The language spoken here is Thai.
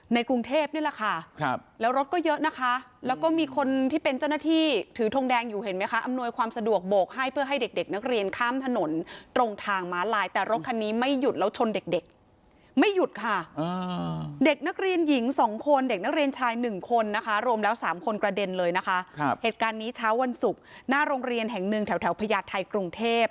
กรุงเทพนี่แหละค่ะครับแล้วรถก็เยอะนะคะแล้วก็มีคนที่เป็นเจ้าหน้าที่ถือทงแดงอยู่เห็นไหมคะอำนวยความสะดวกโบกให้เพื่อให้เด็กเด็กนักเรียนข้ามถนนตรงทางม้าลายแต่รถคันนี้ไม่หยุดแล้วชนเด็กไม่หยุดค่ะเด็กนักเรียนหญิงสองคนเด็กนักเรียนชายหนึ่งคนนะคะรวมแล้วสามคนกระเด็นเลยนะคะครับเหตุการณ์นี้เช้าวันศุกร์หน้าโรงเรียนแห่งหนึ่งแถวแถวพญาไทยกรุงเทพ